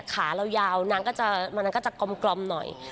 ขาเรายาวนางก็จะกลมหน่อย